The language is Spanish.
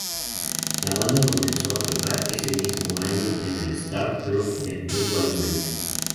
La banda comenzó a tocar ese mismo año en el Star-Club de Hamburgo, Alemania.